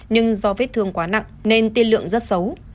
nhưng do vết thương quá nặng nên tiên lượng rất xấu